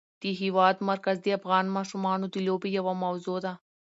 د هېواد مرکز د افغان ماشومانو د لوبو یوه موضوع ده.